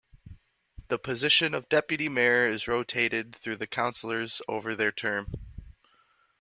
The position of deputy mayor is rotated through the councillors over their term.